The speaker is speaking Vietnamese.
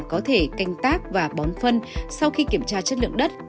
có thể canh tác và bón phân sau khi kiểm tra chất lượng đất